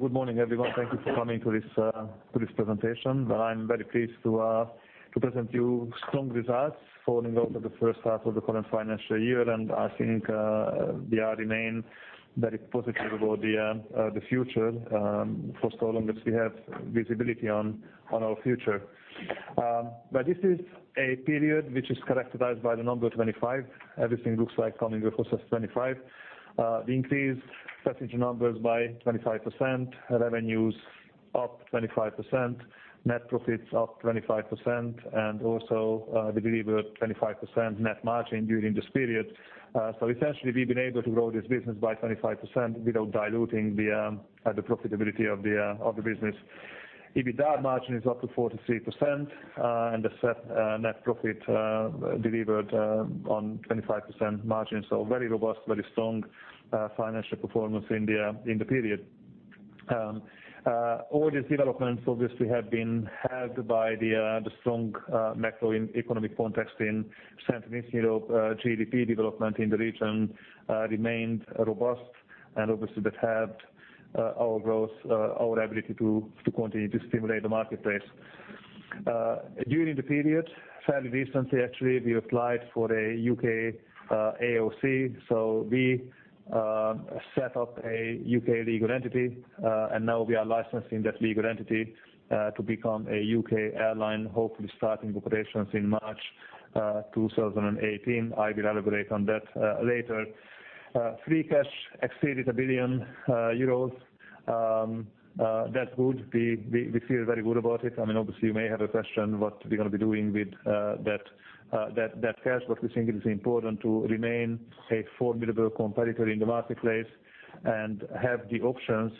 Good morning, everyone. Thank you for coming to this presentation. I'm very pleased to present you strong results for Wizz Air for the first half of the current financial year, I think we remain very positive about the future for so long as we have visibility on our future. This is a period which is characterized by the number 25. Everything looks like coming in clusters of 25. The increased passenger numbers by 25%, revenues up 25%, net profits up 25%, and also we delivered 25% net margin during this period. Essentially, we've been able to grow this business by 25% without diluting the profitability of the business. EBITDA margin is up to 43% and asset net profit delivered on 25% margin. Very robust, very strong financial performance in the period. All these developments obviously have been helped by the strong macroeconomic context in Central and Eastern Europe. GDP development in the region remained robust and obviously that helped our growth, our ability to continue to stimulate the marketplace. During the period, fairly recently actually, we applied for a U.K. AOC. We set up a U.K. legal entity, and now we are licensing that legal entity to become a U.K. airline, hopefully starting operations in March 2018. I will elaborate on that later. Free cash exceeded 1 billion euros. That's good. We feel very good about it. Obviously, you may have a question what we're going to be doing with that cash, we think it is important to remain a formidable competitor in the marketplace and have the options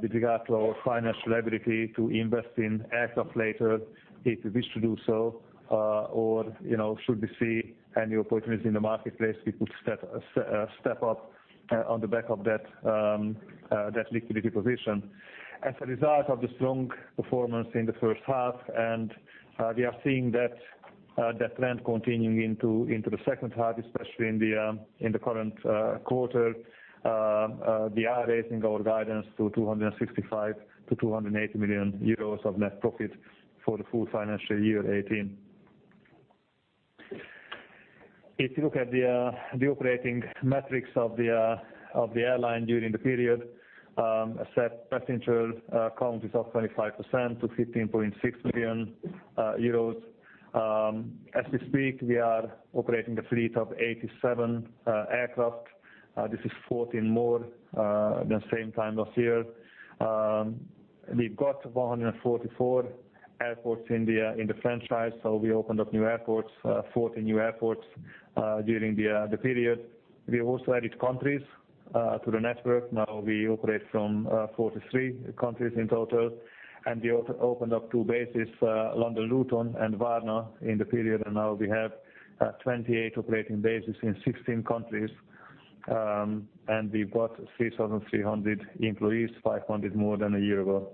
with regard to our financial ability to invest in aircraft later if we wish to do so. Should we see any opportunities in the marketplace, we could step up on the back of that liquidity position. As a result of the strong performance in the first half, we are seeing that trend continuing into the second half, especially in the current quarter. We are raising our guidance to 265 million-280 million euros of net profit for the full financial year 2018. If you look at the operating metrics of the airline during the period, asset passenger count is up 25% to 15.6 million euros. As we speak, we are operating a fleet of 87 aircraft. This is 14 more than same time last year. We've got 144 airports in the franchise, we opened up new airports, 40 new airports, during the period. We also added countries to the network. We operate from 43 countries in total, we also opened up two bases, London Luton and Varna in the period, now we have 28 operating bases in 16 countries. We've got 3,300 employees, 500 more than a year ago.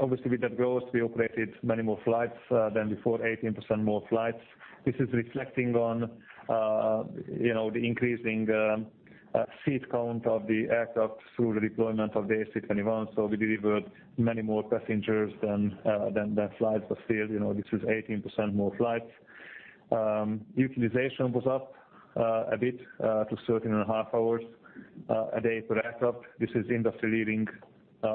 Obviously, with that growth, we operated many more flights than before, 18% more flights. This is reflecting on the increasing seat count of the aircraft through the deployment of the A321. We delivered many more passengers than flights were filled, this is 18% more flights. Utilization was up a bit to 13 and a half hours a day per aircraft. This is industry-leading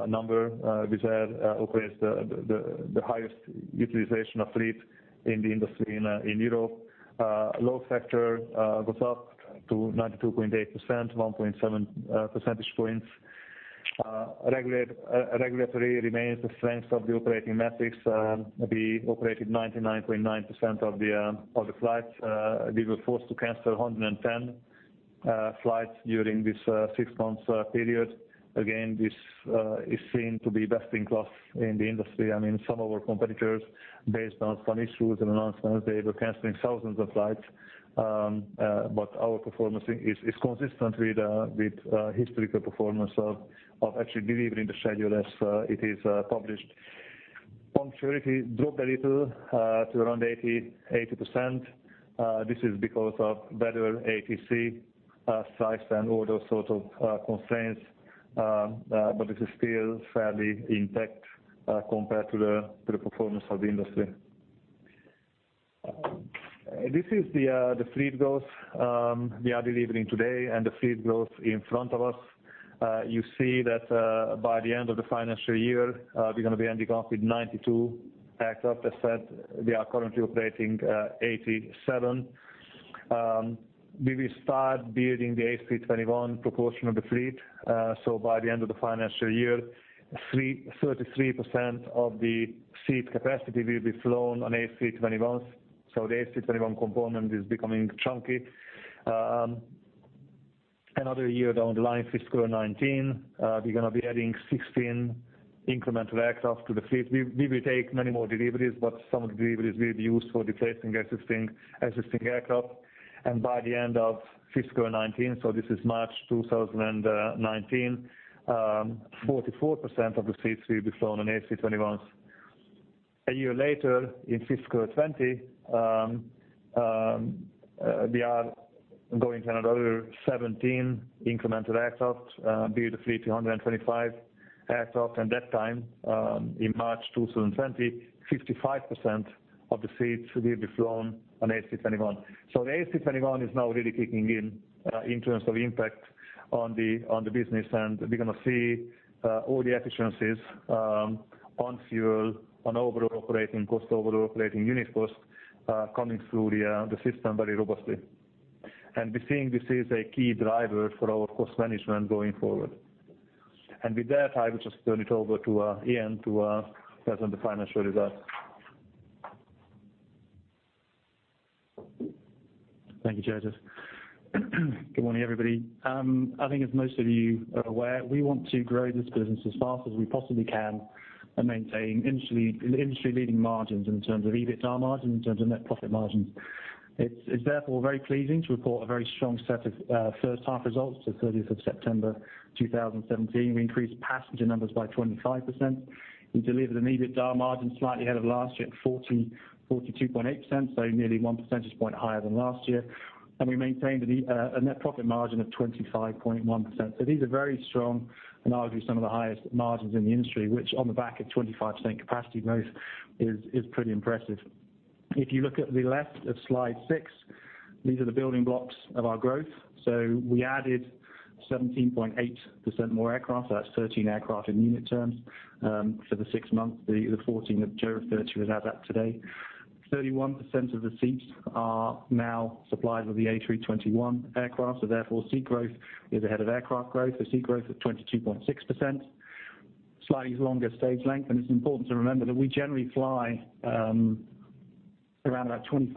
number. Wizz Air operates the highest utilization of fleet in the industry in Europe. Load factor goes up to 92.8%, 1.7 percentage points. Regulatory remains the strength of the operating metrics. We operated 99.9% of the flights. We were forced to cancel 110 flights during this six months period. Again, this is seen to be best in class in the industry. Some of our competitors, based on some issues and announcements, they were canceling thousands of flights. But our performance is consistent with historical performance of actually delivering the schedule as it is published. Punctuality dropped a little to around 80%. This is because of better ATC strikes and all those sort of constraints. But this is still fairly intact compared to the performance of the industry. This is the fleet growth we are delivering today and the fleet growth in front of us. You see that by the end of the financial year, we're going to be ending up with 92 aircraft. As said, we are currently operating 87. We will start building the A321 proportion of the fleet. By the end of the financial year, 33% of the seat capacity will be flown on A321s. The A321 component is becoming chunky. Another year down the line, FY 2019, we're going to be adding 16 incremental aircraft to the fleet. We will take many more deliveries, but some of the deliveries will be used for replacing existing aircraft. By the end of FY 2019, this is March 2019, 44% of the seats will be flown on A321s. A year later in FY 2020, we are going to another 17 incremental aircraft, build the fleet to 125 aircraft. At that time, in March 2020, 55% of the seats will be flown on A321. The A321 is now really kicking in terms of impact on the business. We're going to see all the efficiencies on fuel, on overall operating cost, overall operating unit cost, coming through the system very robustly. We're seeing this is a key driver for our cost management going forward. With that, I will just turn it over to Iain to present the financial results. Thank you, József. Good morning, everybody. I think as most of you are aware, we want to grow this business as fast as we possibly can and maintain industry-leading margins in terms of EBITDA margins, in terms of net profit margins. It's therefore very pleasing to report a very strong set of first half results to 30th September 2017. We increased passenger numbers by 25%. We delivered an EBITDA margin slightly ahead of last year at 42.8%, nearly one percentage point higher than last year. We maintained a net profit margin of 25.1%. These are very strong and arguably some of the highest margins in the industry, which on the back of 25% capacity growth is pretty impressive. If you look at the left of slide six, these are the building blocks of our growth. We added 17.8% more aircraft. That's 13 aircraft in unit terms for the six months, the 14 that József referred to is add that today. 31% of the seats are now supplied with the A321 aircraft. Therefore, seat growth is ahead of aircraft growth, the seat growth of 22.6%. Slightly longer stage length. It's important to remember that we generally fly around about 25%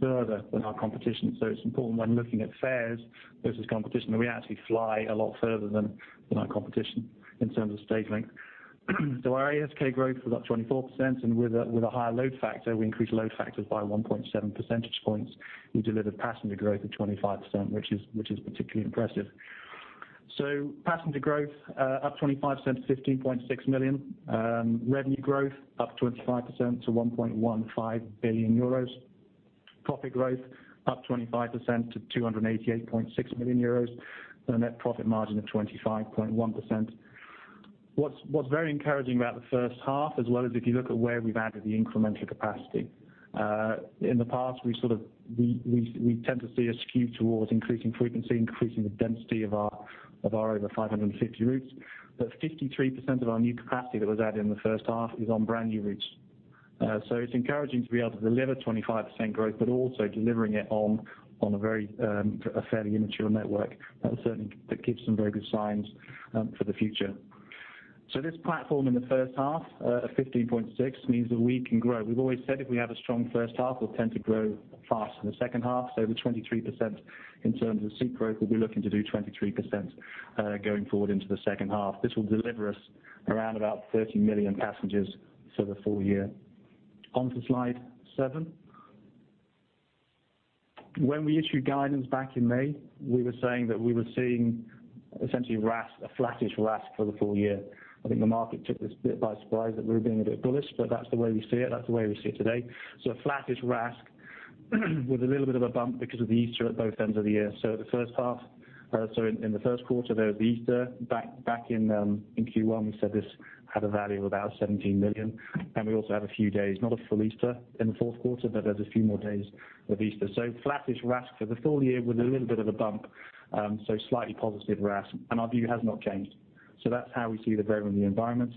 further than our competition. It's important when looking at fares versus competition, that we actually fly a lot further than our competition in terms of stage length. Our ASK growth was up 24% and with a higher load factor, we increased load factors by 1.7 percentage points. We delivered passenger growth of 25%, which is particularly impressive. Passenger growth up 25% to 15.6 million. Revenue growth up 25% to 1.15 billion euros. Profit growth up 25% to 288.6 million euros, and a net profit margin of 25.1%. What's very encouraging about the first half as well is if you look at where we've added the incremental capacity. In the past, we tend to see a skew towards increasing frequency, increasing the density of our over 550 routes. 53% of our new capacity that was added in the first half is on brand new routes. It's encouraging to be able to deliver 25% growth, but also delivering it on a fairly immature network. That certainly gives some very good signs for the future. This platform in the first half of 15.6 means that we can grow. We've always said if we have a strong first half, we'll tend to grow faster in the second half. Over 23% in terms of seat growth, we'll be looking to do 23% going forward into the second half. This will deliver us around about 30 million passengers for the full year. On to slide seven. When we issued guidance back in May, we were saying that we were seeing essentially a flattish RASK for the full year. I think the market took this bit by surprise that we were being a bit bullish, but that's the way we see it, that's the way we see it today. A flattish RASK with a little bit of a bump because of Easter at both ends of the year. In the first quarter, there was Easter. Back in Q1, we said this had a value of about 17 million. We also have a few days, not a full Easter in the fourth quarter, but there's a few more days of Easter. Flattish RASK for the full year with a little bit of a bump, slightly positive RASK, and our view has not changed. That's how we see the environment.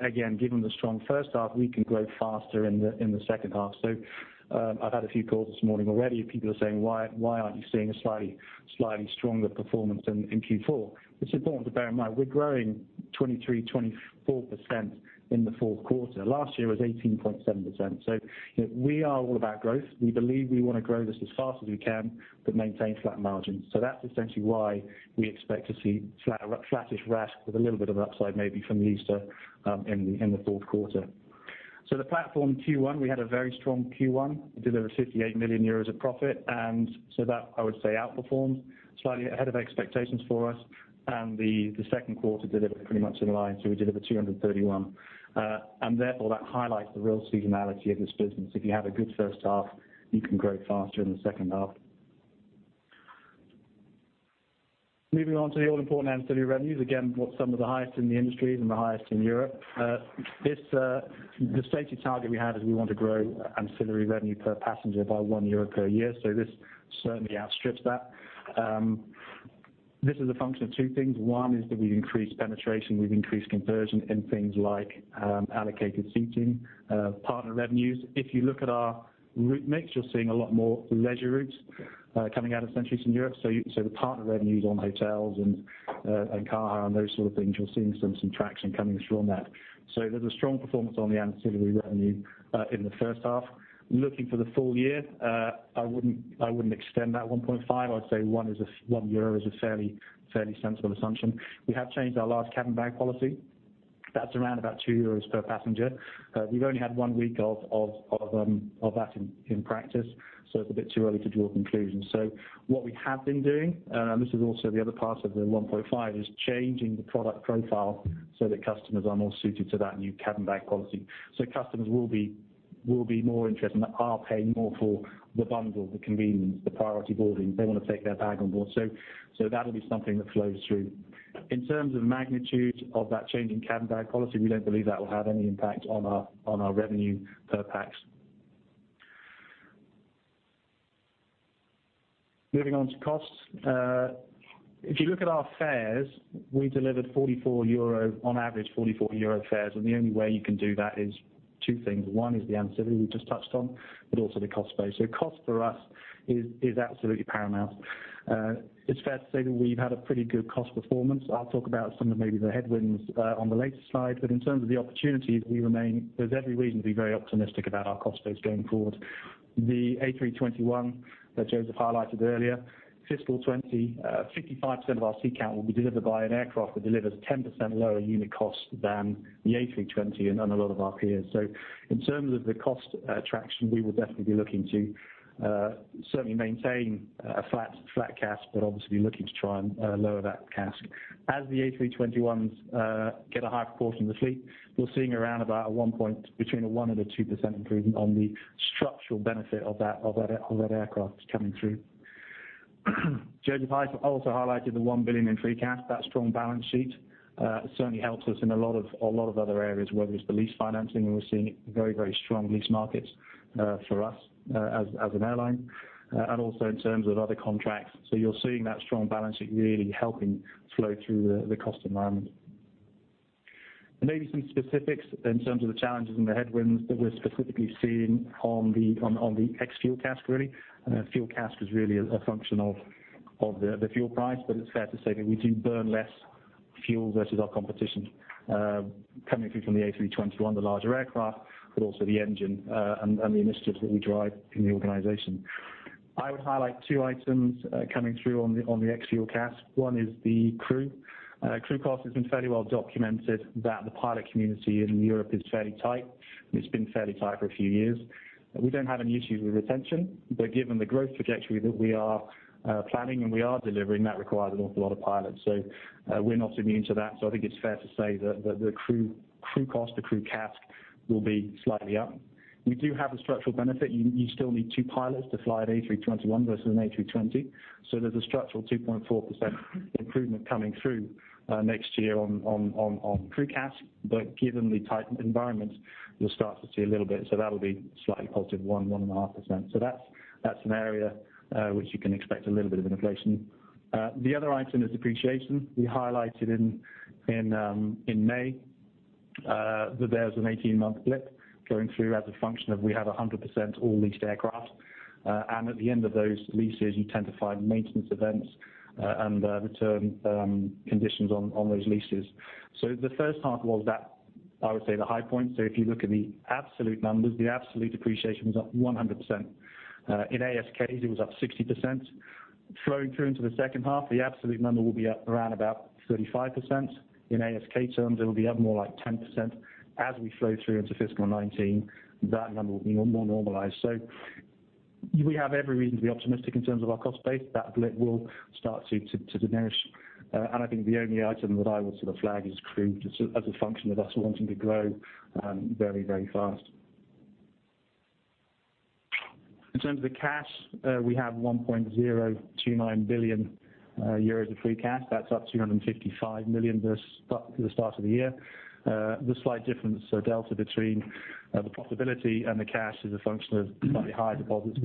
Again, given the strong first half, we can grow faster in the second half. I've had a few calls this morning already. People are saying, "Why aren't you seeing a slightly stronger performance in Q4?" It's important to bear in mind, we're growing 23, 24% in the fourth quarter. Last year was 18.7%. We are all about growth. We believe we want to grow this as fast as we can, but maintain flat margins. That's essentially why we expect to see flattish RASK with a little bit of upside maybe from Easter in the fourth quarter. The platform Q1, we had a very strong Q1. We delivered 58 million euros of profit. That I would say outperformed slightly ahead of expectations for us. The second quarter delivered pretty much in line, we delivered 231. Therefore, that highlights the real seasonality of this business. If you have a good first half, you can grow faster in the second half. Moving on to the all-important ancillary revenues, again, some of the highest in the industry and the highest in Europe. The stated target we have is we want to grow ancillary revenue per passenger by 1 euro per year. This certainly outstrips that. This is a function of two things. One is that we've increased penetration, we've increased conversion in things like allocated seating, partner revenues. If you look at our route mix, you're seeing a lot more leisure routes coming out of Central Eastern Europe. The partner revenues on hotels and car hire and those sort of things, you're seeing some traction coming through on that. There's a strong performance on the ancillary revenue in the first half. Looking for the full year, I wouldn't extend that 1.5 EUR. I'd say 1 euro is a fairly sensible assumption. We have changed our large cabin bag policy. That's around about 2 euros per passenger. We've only had 1 week of that in practice, it's a bit too early to draw conclusions. What we have been doing, and this is also the other part of the 1.5 EUR, is changing the product profile so that customers are more suited to that new cabin bag policy. Customers will be more interested and are paying more for the bundle, the convenience, the priority boarding. They want to take their bag on board. That'll be something that flows through. In terms of magnitude of that change in cabin bag policy, we don't believe that will have any impact on our revenue per pax. Moving on to costs. If you look at our fares, we delivered on average 44 euro fares, and the only way you can do that is 2 things. One is the ancillary we just touched on, but also the cost base. Cost for us is absolutely paramount. It's fair to say that we've had a pretty good cost performance. I'll talk about some of the headwinds on the later slide. But in terms of the opportunity, there's every reason to be very optimistic about our cost base going forward. The A321 that József highlighted earlier, fiscal 2020, 55% of our seat count will be delivered by an aircraft that delivers 10% lower unit cost than the A320 and a lot of our peers. In terms of the cost traction, we will definitely be looking to certainly maintain a flat CASK, but obviously looking to try and lower that CASK. As the A321s get a higher proportion of the fleet, we're seeing around about between 1% and 2% improvement on the structural benefit of that aircraft coming through. József also highlighted the 1 billion in free cash. That strong balance sheet certainly helps us in a lot of other areas, whether it's the lease financing, we're seeing very strong lease markets for us as an airline. In terms of other contracts, you're seeing that strong balance sheet really helping flow through the cost environment. There may be some specifics in terms of the challenges and the headwinds that we're specifically seeing on the ex-fuel CASK really. Fuel CASK was really a function of the fuel price, but it's fair to say that we do burn less fuel versus our competition coming through from the A321, the larger aircraft, but also the engine and the initiatives that we drive in the organization. I would highlight two items coming through on the ex-fuel CASK. One is the crew. Crew cost has been fairly well documented that the pilot community in Europe is fairly tight. It's been fairly tight for a few years. We don't have any issues with retention, but given the growth trajectory that we are planning and we are delivering, that requires an awful lot of pilots. We're not immune to that. I think it's fair to say that the crew cost, the crew CASK, will be slightly up. We do have a structural benefit. You still need 2 pilots to fly at A321 versus an A320. There's a structural 2.4% improvement coming through next year on crew CASK, but given the tightened environment, you'll start to see a little bit. That'll be slightly positive, 1%, 1.5%. That's an area which you can expect a little bit of inflation. The other item is depreciation. We highlighted in May that there's an 18-month blip going through as a function of we have 100% all leased aircraft. At the end of those leases, you tend to find maintenance events and return conditions on those leases. The first half was that, I would say, the high point. If you look at the absolute numbers, the absolute depreciation was up 100%. In ASKs it was up 60%. Flowing through into the second half, the absolute number will be up around about 35%. In ASK terms, it'll be up more like 10%. As we flow through into fiscal 2019, that number will be more normalized. We have every reason to be optimistic in terms of our cost base. That blip will start to diminish. I think the only item that I would sort of flag is crew, just as a function of us wanting to grow very fast. In terms of the cash, we have 1.029 billion euros of free cash. That's up 255 million versus the start of the year. The slight difference, delta between the profitability and the cash is a function of slightly higher deposits.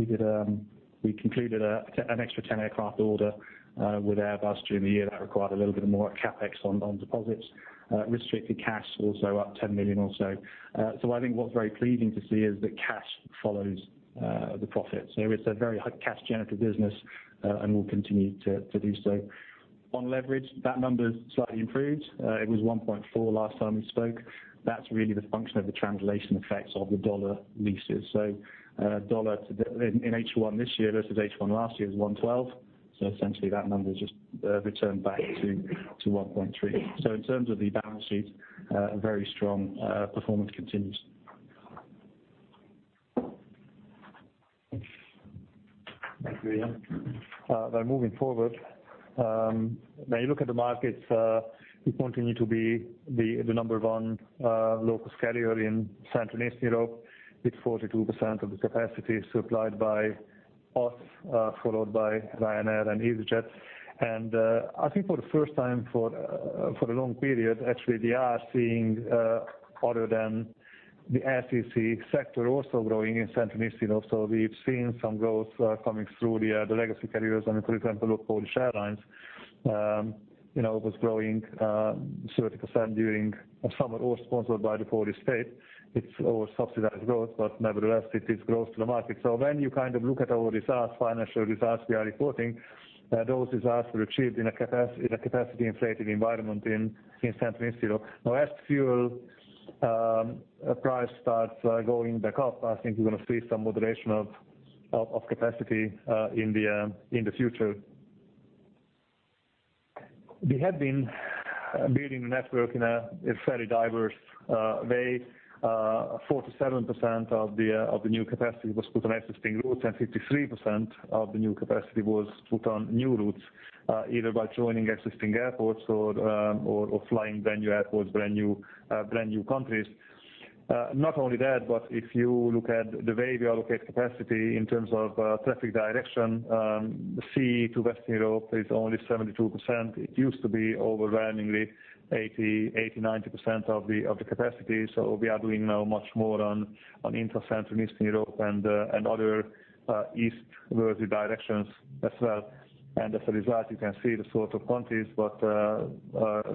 We concluded an extra 10-aircraft order with Airbus during the year that required a little bit more CapEx on deposits. Restricted cash also up 10 million or so. I think what's very pleasing to see is that cash follows the profit. It's a very high cash generative business, and will continue to do so. On leverage, that number's slightly improved. It was 1.4 last time we spoke. That's really the function of the translation effects of the USD leases. USD in H1 this year versus H1 last year is 112. Essentially that number just returned back to 1.3. In terms of the balance sheet, a very strong performance continues. Thank you, Iain. Moving forward, when you look at the markets, we continue to be the number one local carrier in Central and Eastern Europe, with 42% of the capacity supplied by us, followed by Ryanair and EasyJet. I think for the first time for a long period, actually, we are seeing other than the LCC sector also growing in Central and Eastern Europe. We've seen some growth coming through the legacy carriers. I mean, for example, LOT Polish Airlines, it was growing 30% during summer, all sponsored by the Polish state. It's all subsidized growth, but nevertheless, it is growth to the market. When you kind of look at all these financial results we are reporting, those results were achieved in a capacity-inflated environment in Central and Eastern Europe. As fuel price starts going back up, I think you're going to see some moderation of capacity in the future. We have been building a network in a fairly diverse way. 47% of the new capacity was put on existing routes, 53% of the new capacity was put on new routes, either by joining existing airports or flying brand new airports, brand new countries. Not only that, if you look at the way we allocate capacity in terms of traffic direction, the sea to Western Europe is only 72%. It used to be overwhelmingly 80%, 90% of the capacity. We are doing now much more on intra-Central and Eastern Europe and other east-worthy directions as well. As a result, you can see the sort of countries that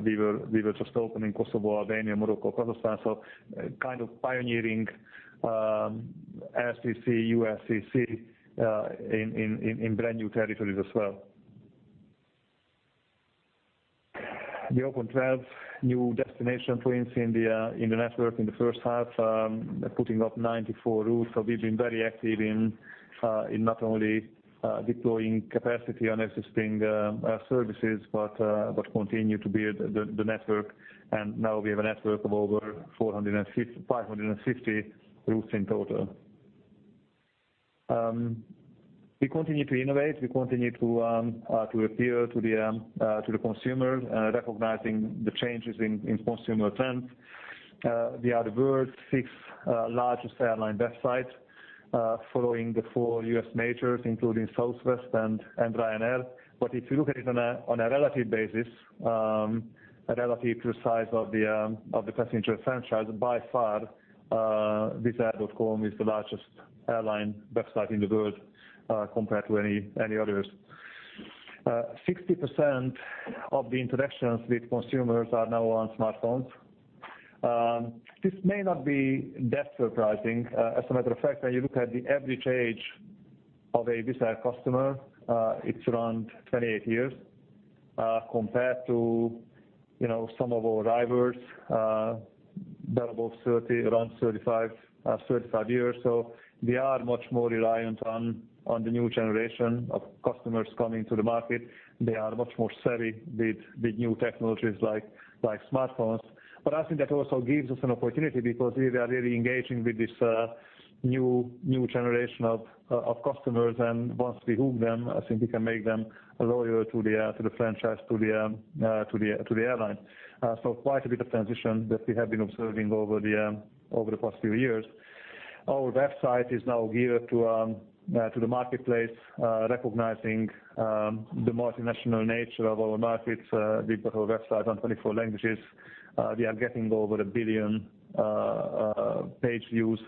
we were just opening Kosovo, Albania, Morocco, Kazakhstan. Kind of pioneering LFCC, ULCC in brand new territories as well. We opened 12 new destination points in the network in the first half, putting up 94 routes. We've been very active in not only deploying capacity on existing services, but continue to build the network. Now we have a network of over 550 routes in total. We continue to innovate, we continue to appeal to the consumer, recognizing the changes in consumer trends. We are the world's sixth-largest airline website, following the four U.S. majors, including Southwest and Ryanair. If you look at it on a relative basis, relative to the size of the passenger franchise, by far, wizzair.com is the largest airline website in the world compared to any others. 60% of the interactions with consumers are now on smartphones. This may not be that surprising. As a matter of fact, when you look at the average age of a Wizz Air customer, it's around 28 years compared to some of our rivals that are above 30, around 35 years. We are much more reliant on the new generation of customers coming to the market. They are much more savvy with new technologies like smartphones. I think that also gives us an opportunity because we are really engaging with this new generation of customers, and once we hook them, I think we can make them loyal to the franchise, to the airline. Quite a bit of transition that we have been observing over the past few years. Our website is now geared to the marketplace, recognizing the multinational nature of our markets. We put our website on 24 languages. We are getting over 1 billion page views.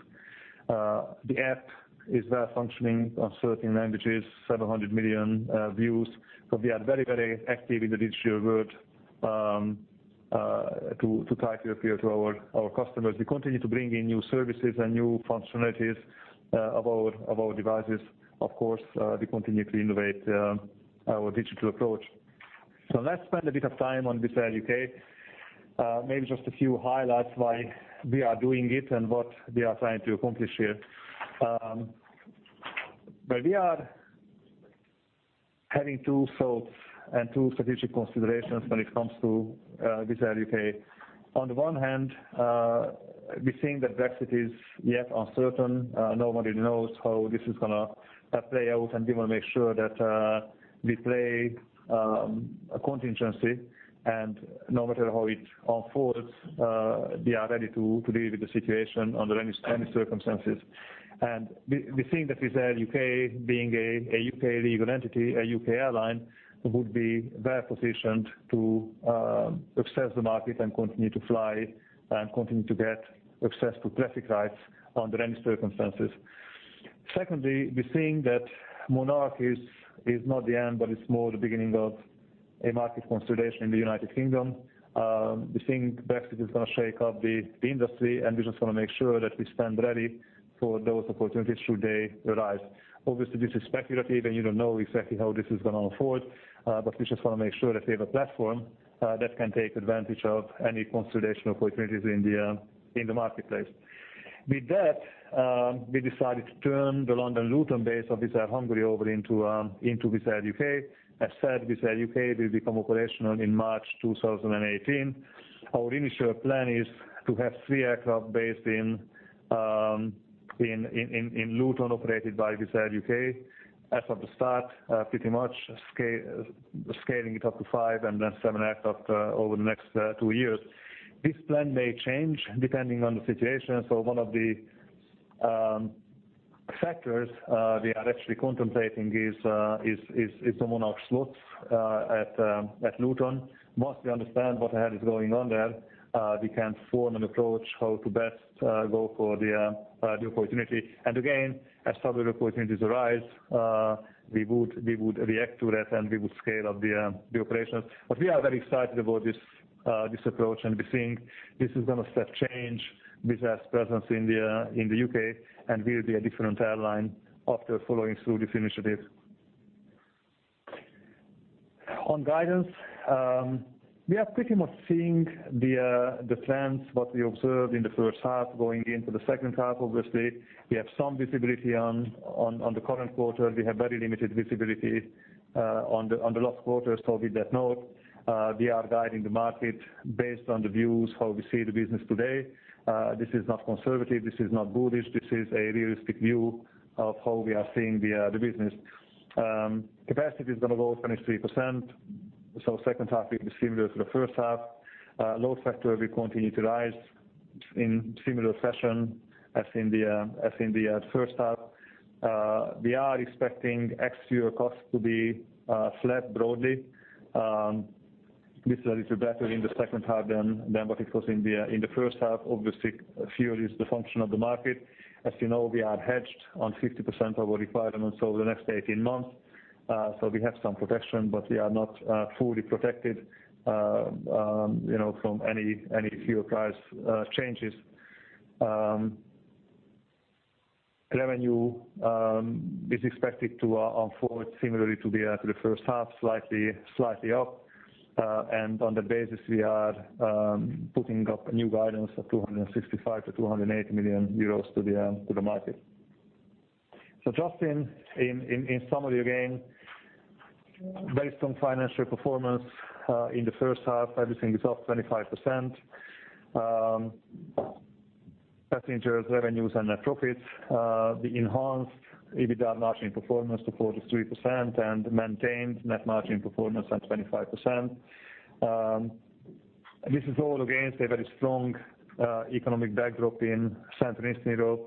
The app is well-functioning on certain languages, 700 million views. We are very active in the digital world to try to appeal to our customers. We continue to bring in new services and new functionalities of our devices. Of course, we continue to innovate our digital approach. Let's spend a bit of time on Wizz Air UK. Maybe just a few highlights why we are doing it and what we are trying to accomplish here. Well, we are having two thoughts and two strategic considerations when it comes to Wizz Air UK. On the one hand, we think that Brexit is yet uncertain. Nobody knows how this is going to play out, and we want to make sure that we play a contingency, and no matter how it unfolds, we are ready to deal with the situation under any circumstances. We think that Wizz Air UK, being a U.K. legal entity, a U.K. airline, would be well-positioned to observe the market and continue to fly and continue to get access to traffic rights under any circumstances. Secondly, we think that Monarch is not the end, but it's more the beginning of a market consolidation in the U.K. We think Brexit is going to shake up the industry, and we just want to make sure that we stand ready for those opportunities should they arise. Obviously, this is speculative, and you don't know exactly how this is going to unfold, but we just want to make sure that we have a platform that can take advantage of any consolidation opportunities in the marketplace. With that, we decided to turn the London Luton base of Wizz Air Hungary over into Wizz Air UK. As said, Wizz Air UK will become operational in March 2018. Our initial plan is to have three aircraft based in Luton, operated by Wizz Air UK as of the start, pretty much scaling it up to five and then seven aircraft over the next two years. This plan may change depending on the situation. One of the factors we are actually contemplating is the Monarch slots at Luton. Once we understand what the hell is going on there, we can form an approach how to best go for the opportunity. Again, as other opportunities arise, we would react to that, and we would scale up the operations. We are very excited about this approach, and we think this is going to step change Wizz Air's presence in the U.K., and we will be a different airline after following through this initiative. On guidance, we are pretty much seeing the plans, what we observed in the first half going into the second half. Obviously, we have some visibility on the current quarter. We have very limited visibility on the last quarter. With that note, we are guiding the market based on the views how we see the business today. This is not conservative. This is not bullish. This is a realistic view of how we are seeing the business. Capacity is going to grow 23%. Second half will be similar to the first half. Load factor will continue to rise in similar fashion as in the first half. We are expecting exterior costs to be flat broadly. This is a little better in the second half than what it was in the first half. Obviously, fuel is the function of the market. As you know, we are hedged on 50% of our requirements over the next 18 months. We have some protection, but we are not fully protected from any fuel price changes. Revenue is expected to unfold similarly to the first half, slightly up. On the basis we are putting up a new guidance of 265 million EUR-280 million EUR to the market. Just in summary, again, very strong financial performance in the first half. Everything is up 25%. Passengers, revenues, and net profits. The enhanced EBITDA margin performance to 43% and maintained net margin performance at 25%. This is all against a very strong economic backdrop in Central and Eastern Europe.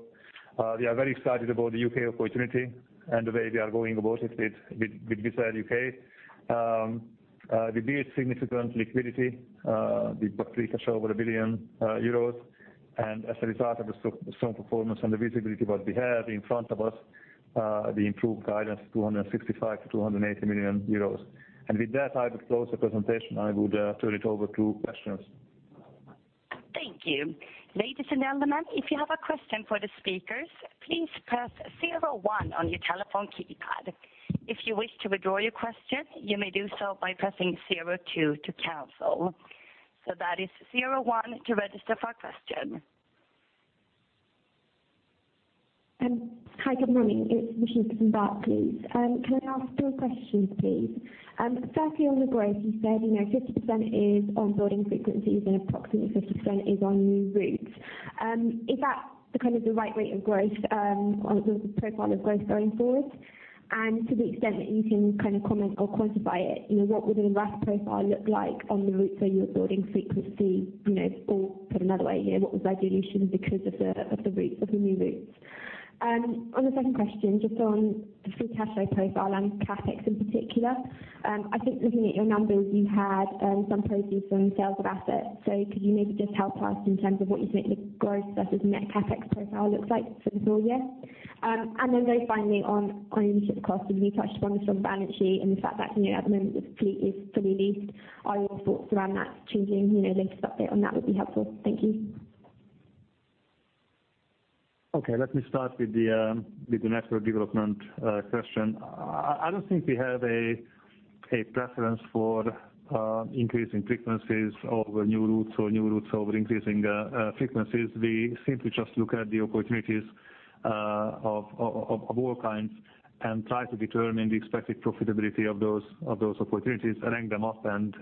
We are very excited about the U.K. opportunity and the way we are going about it with Wizz Air UK. We built significant liquidity. We brought free cash over 1 billion euros, and as a result of the strong performance and the visibility what we have in front of us, we improved guidance 265 million EUR-280 million EUR. With that, I would close the presentation. I would turn it over to questions. Thank you. Ladies and gentlemen, if you have a question for the speakers, please press zero one on your telephone keypad. If you wish to withdraw your question, you may do so by pressing zero two to cancel. That is zero one to register for a question. Hi, good morning. It's Rashika from Barclays. Can I ask two questions, please? Firstly, on the growth, you said 50% is on boarding frequencies and approximately 50% is on new routes. Is that the right rate of growth on the profile of growth going forward? Or to the extent that you can comment or quantify it, what would a RASK profile look like on the routes where you're boarding frequency? Or put another way here, what was the dilution because of the new routes? On the second question, just on the free cash flow profile and CapEx in particular. I think looking at your numbers, you had some proceeds from sales of assets. Could you maybe just help us in terms of what you think the growth versus net CapEx profile looks like for the full year? very finally on ownership cost, you touched upon the strong balance sheet and the fact that at the moment the fleet is fully leased. Are your thoughts around that changing? The latest update on that would be helpful. Thank you. Okay. Let me start with the network development question. I don't think we have a preference for increasing frequencies over new routes or new routes over increasing frequencies. We simply just look at the opportunities of all kinds and try to determine the expected profitability of those opportunities and rank them up and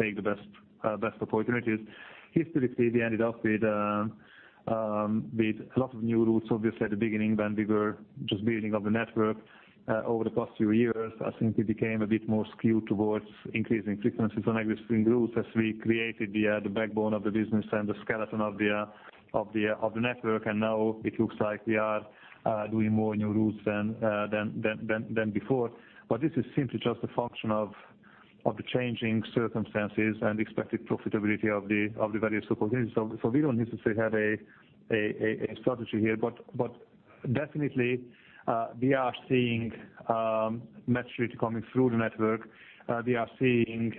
take the best opportunities. Historically, we ended up with a lot of new routes, obviously at the beginning when we were just building up the network. Over the past few years, I think we became a bit more skewed towards increasing frequencies on existing routes as we created the backbone of the business and the skeleton of the network. Now it looks like we are doing more new routes than before. This is simply just a function of the changing circumstances and expected profitability of the various opportunities. We don't necessarily have a strategy here, but definitely we are seeing maturity coming through the network. We are seeing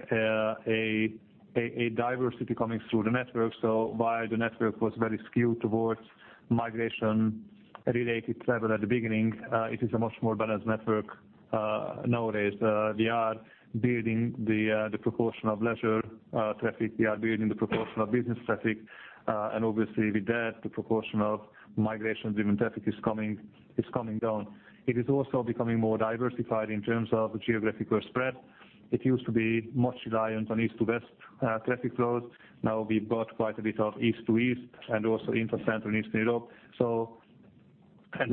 a diversity coming through the network. While the network was very skewed towards migration-related travel at the beginning, it is a much more balanced network nowadays. We are building the proportion of leisure traffic. We are building the proportion of business traffic. Obviously with that, the proportion of migration-driven traffic is coming down. It is also becoming more diversified in terms of geographical spread. It used to be much reliant on east to west traffic flows. Now we've got quite a bit of east to east and also intra-Central and Eastern Europe.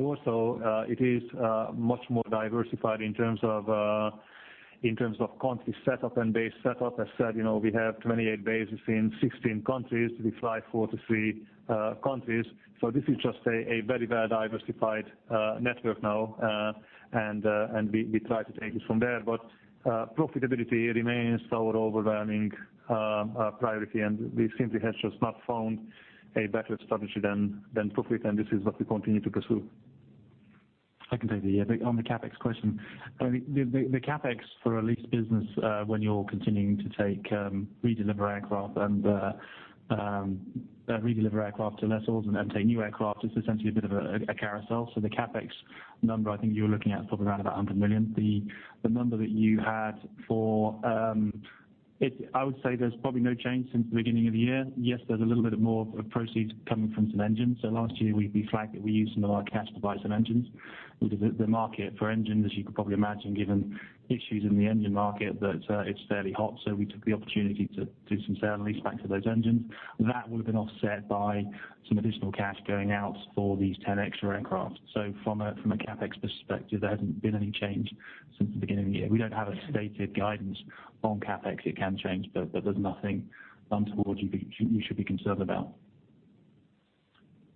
Also, it is much more diversified in terms of country setup and base setup. As said, we have 28 bases in 16 countries. We fly four to three countries. This is just a very well-diversified network now, and we try to take it from there. Profitability remains our overwhelming priority, and we simply have just not found a better strategy than profit, and this is what we continue to pursue. I can take the other on the CapEx question. The CapEx for a leased business, when you're continuing to take redeliver aircraft to lessors and then take new aircraft, it's essentially a bit of a carousel. The CapEx number I think you were looking at is probably around about 100 million. The number that you had for. I would say there's probably no change since the beginning of the year. Yes, there's a little bit more of proceeds coming from some engines. Last year we flagged that we used some of our cash to buy some engines because the market for engines, as you could probably imagine, given issues in the engine market, that it's fairly hot. We took the opportunity to do some sale and lease back to those engines. That would have been offset by some additional cash going out for these 10 extra aircraft. From a CapEx perspective, there hasn't been any change since the beginning of the year. We don't have a stated guidance on CapEx. It can change, but there's nothing untoward you should be concerned about.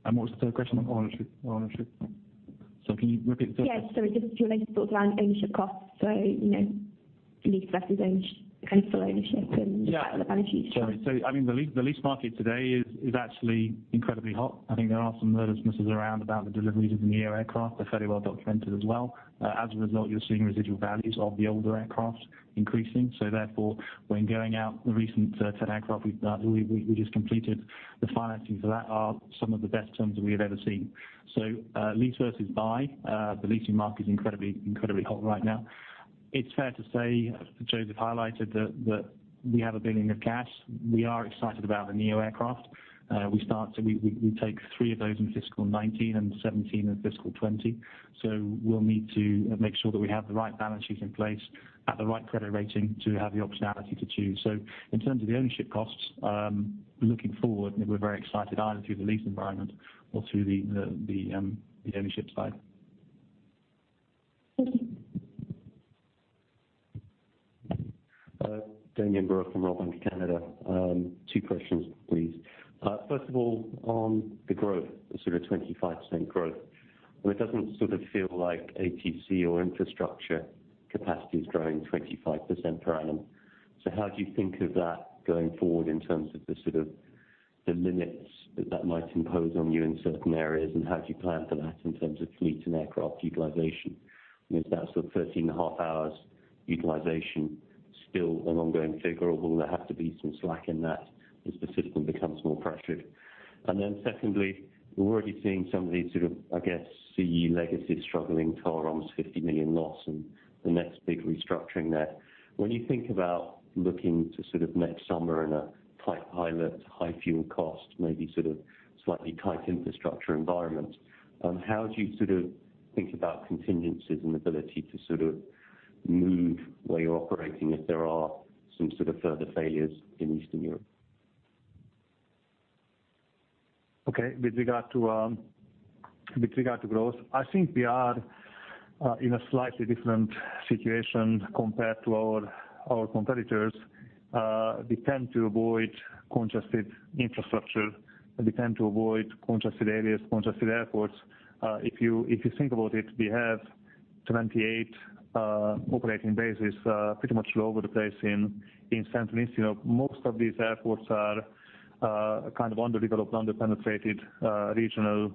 What was the third question on ownership? Sorry, can you repeat the third question? Yes. Sorry. Just related thoughts around ownership costs. Lease versus kind of full ownership and Yeah other benefits. Sorry. The lease market today is actually incredibly hot. I think there are some advertisements around about the deliveries of the NEO aircraft. They're fairly well-documented as well. As a result, you're seeing residual values of the older aircraft increasing. Therefore, when going out, the recent 10 aircraft we just completed, the financing for that are some of the best terms we have ever seen. Lease versus buy, the leasing market is incredibly hot right now. It's fair to say, as József highlighted, that we have 1 billion of cash. We are excited about the NEO aircraft. We take three of those in fiscal 2019 and 17 in fiscal 2020. We'll need to make sure that we have the right balances in place at the right credit rating to have the optionality to choose. In terms of the ownership costs, looking forward, we're very excited either through the lease environment or through the ownership side. Thank you. Damian Brewer from Royal Bank of Canada. Two questions, please. First of all, on the growth, the sort of 25% growth, it doesn't sort of feel like ATC or infrastructure capacity is growing 25% per annum. How do you think of that going forward in terms of the sort of the limits that that might impose on you in certain areas, and how do you plan for that in terms of fleet and aircraft utilization? Is that sort of 13 and a half hours utilization still an ongoing figure, or will there have to be some slack in that as the system becomes more pressured? Secondly, we're already seeing some of these sort of, I guess, CE legacy struggling, TAROM's 50 million loss and the next big restructuring there. When you think about looking to sort of next summer in a tight pilot, high fuel cost, maybe sort of slightly tight infrastructure environment, how do you sort of think about contingencies and ability to sort of move where you're operating if there are some sort of further failures in Eastern Europe? Okay. With regard to growth, I think we are in a slightly different situation compared to our competitors. We tend to avoid congested infrastructure. We tend to avoid congested areas, congested airports. If you think about it, we have 28 operating bases pretty much all over the place in Central and Eastern Europe. Most of these airports are kind of underdeveloped, under-penetrated regional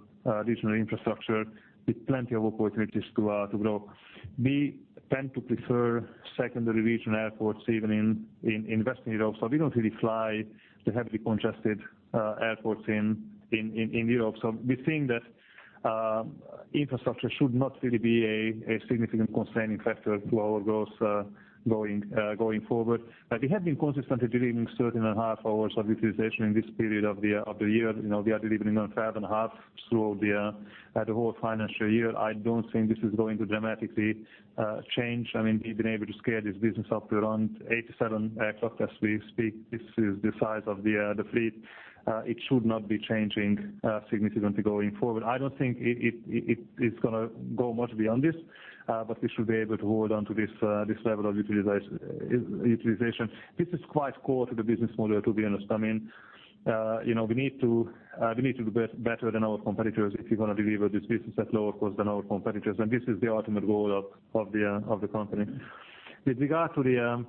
infrastructure with plenty of opportunities to grow. We tend to prefer secondary regional airports, even in Western Europe. We don't really fly the heavily congested airports in Europe. We think that infrastructure should not really be a significant constraining factor to our growth going forward. We have been consistently delivering 13 and a half hours of utilization in this period of the year. We are delivering on 12 and a half through the whole financial year. I don't think this is going to dramatically change. We've been able to scale this business up to around 87 aircraft as we speak. This is the size of the fleet. It should not be changing significantly going forward. I don't think it is going to go much beyond this, we should be able to hold on to this level of utilization. This is quite core to the business model, to be honest. We need to do better than our competitors if we're going to deliver this business at lower cost than our competitors. This is the ultimate goal of the company. With regard to the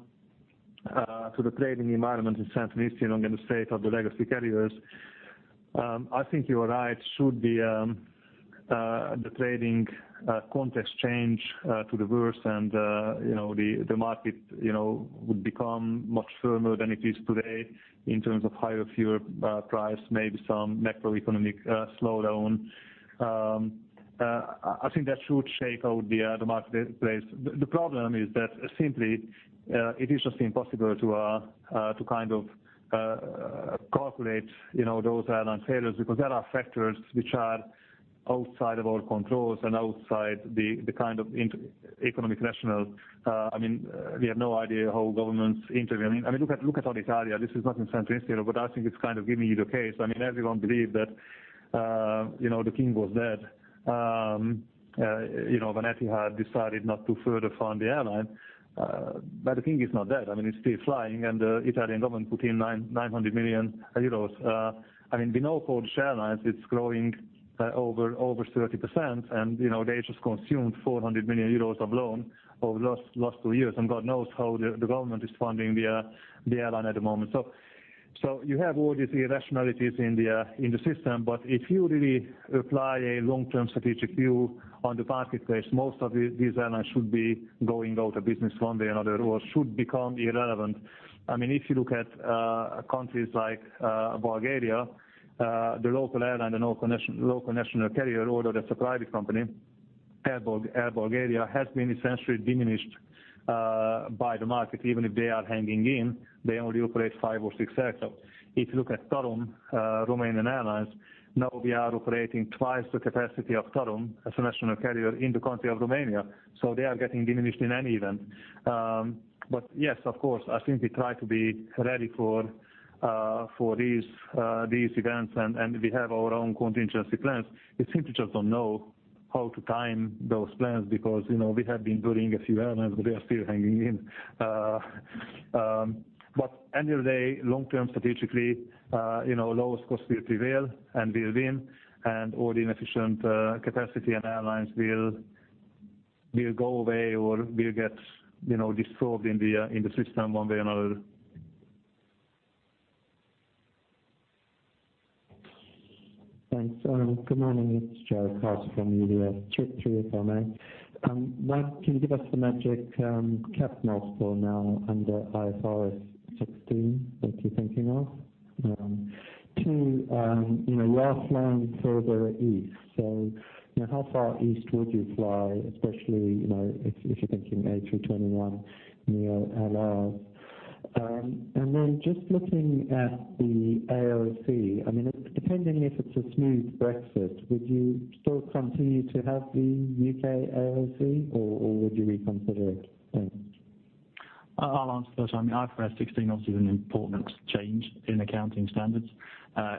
trading environment in Central and Eastern Europe and the state of the legacy carriers, I think you are right. Should the trading context change to the worse and the market would become much firmer than it is today in terms of higher fuel price, maybe some macroeconomic slowdown, I think that should shake out the marketplace. The problem is that simply it is just impossible to kind of calculate those airline failures because there are factors which are outside of our controls and outside the kind of economic rational. We have no idea how governments intervene. Look at Alitalia. This is not in Central and Eastern Europe, but I think it's kind of giving you the case. Everyone believed that the king was dead when Etihad decided not to further fund the airline. The king is not dead. It's still flying, and the Italian government put in 900 million euros. We know for the airlines it's growing by over 30%. They just consumed 400 million euros of loan over the last two years, and God knows how the government is funding the airline at the moment. You have all these irrationalities in the system. If you really apply a long-term strategic view on the marketplace, most of these airlines should be going out of business one way or another, or should become irrelevant. If you look at countries like Bulgaria, the local airline, the local national carrier, although that's a private company, Bulgaria Air, has been essentially diminished by the market. Even if they are hanging in, they only operate five or six aircraft. If you look at TAROM Romanian Airlines, now we are operating twice the capacity of TAROM as a national carrier in the country of Romania. They are getting diminished in any event. Yes, of course, I think we try to be ready for these events, and we have our own contingency plans. We simply just don't know how to time those plans because we have been burning a few airlines, but we are still hanging in. End of the day, long-term strategically, lowest cost will prevail and we'll win, and all the inefficient capacity and airlines will go away or will get destroyed in the system one way or another. Thanks. Good morning. It's Jarrod Castle from UBS. Two or three for me. One, can you give us the magic cap number for now under IFRS 16 that you're thinking of? Two, you are flying further east. How far east would you fly, especially, if you're thinking A321neo airlines. Just looking at the AOC. Depending if it's a smooth Brexit, would you still continue to have the U.K. AOC or would you reconsider it? Thanks. I'll answer the first one. IFRS 16 obviously is an important change in accounting standards.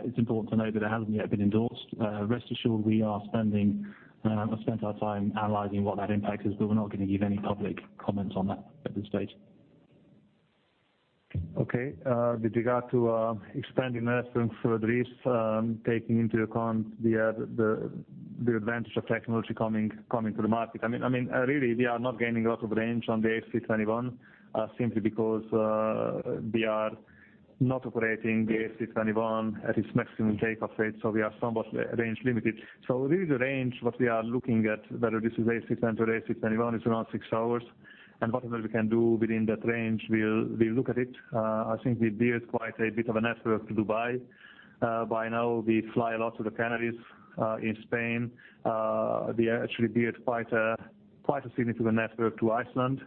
It's important to note that it hasn't yet been endorsed. Rest assured, we are spending, or spent our time analyzing what that impact is, but we're not going to give any public comments on that at this stage. Okay. With regard to expanding west and further east, taking into account the advantage of technology coming to the market. Really, we are not gaining a lot of range on the A321, simply because we are not operating the A321 at its maximum takeoff rate, so we are somewhat range limited. The range what we are looking at, whether this is A320, A321, is around six hours. Whatever we can do within that range, we'll look at it. I think we built quite a bit of a network to Dubai. By now we fly a lot to the Canaries in Spain. We actually built quite a significant network to Iceland.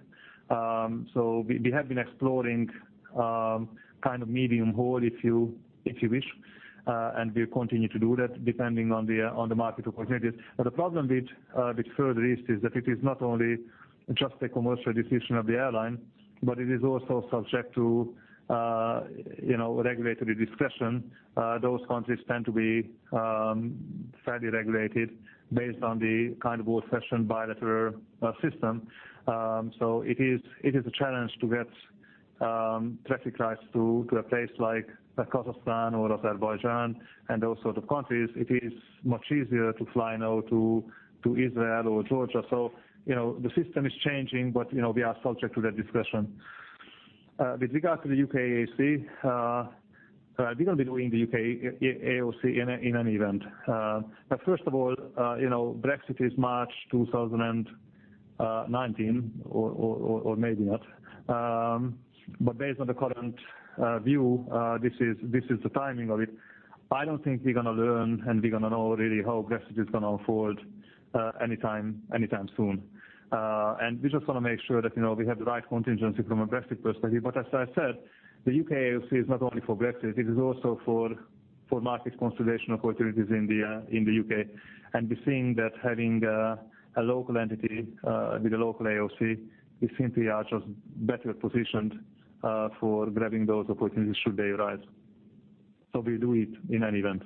We have been exploring kind of medium haul, if you wish. We'll continue to do that depending on the market opportunities. The problem with further east is that it is not only just a commercial decision of the airline, but it is also subject to regulatory discretion. Those countries tend to be fairly regulated based on the kind of old-fashioned bilateral system. It is a challenge to get traffic rights to a place like Kazakhstan or Azerbaijan and those sort of countries. It is much easier to fly now to Israel or Georgia. The system is changing, but we are subject to their discretion. With regard to the U.K. AOC, we're going to be doing the U.K. AOC in any event. First of all, Brexit is March 2019, or maybe not. Based on the current view, this is the timing of it. I don't think we're going to learn and we're going to know really how Brexit is going to unfold anytime soon. We just want to make sure that we have the right contingency from a Brexit perspective. As I said, the U.K. AOC is not only for Brexit, it is also for market consolidation opportunities in the U.K. We're seeing that having a local entity with a local AOC, we simply are just better positioned for grabbing those opportunities should they arise. We'll do it in any event.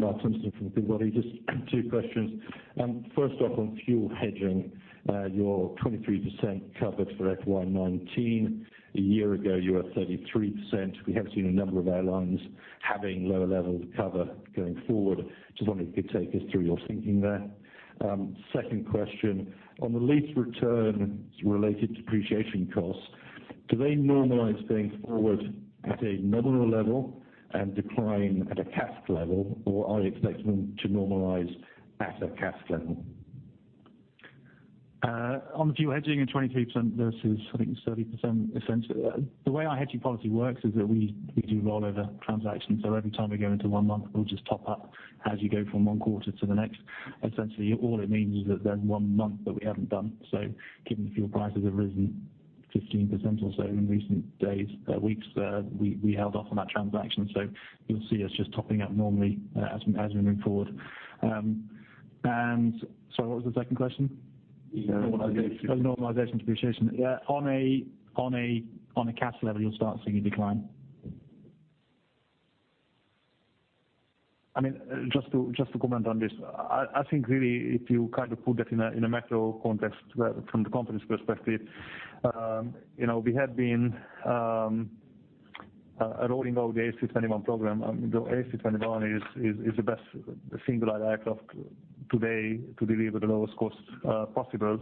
Mark Simpson from Bernstein. Just two questions. First off, on fuel hedging, your 23% covered for FY 2019. A year ago, you were 33%. We have seen a number of airlines having lower levels of cover going forward. Just wonder if you could take us through your thinking there. Second question, on the lease return related depreciation costs, do they normalize going forward at a nominal level and decline at a cash level, or are you expecting them to normalize at a cash level? On the fuel hedging 23% versus I think 30%, essentially, the way our hedging policy works is that we do rollover transactions. Every time we go into one month, we'll just top up as you go from one quarter to the next. Essentially, all it means is that there's one month that we haven't done. Given the fuel prices have risen 15% or so in recent weeks, we held off on that transaction. You'll see us just topping up normally as we move forward. Sorry, what was the second question? Normalization. Normalization depreciation. On a cash level, you'll start seeing a decline. Just to comment on this. If you kind of put that in a macro context from the company's perspective. We have been rolling out the A321 Program. The A321 is the best single-aisle aircraft today to deliver the lowest cost possible.